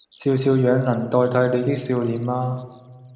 笑笑樣能代替你的笑臉嗎